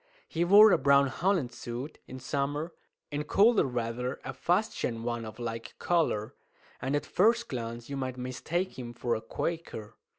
He wore a brown holland suit in summer, in colder weather a fustian one of like colour, and at first glance you might mistake him for a Quaker.